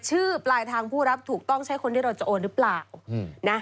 ปลายทางผู้รับถูกต้องใช้คนที่เราจะโอนหรือเปล่านะ